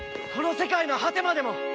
この世界の果てまでも！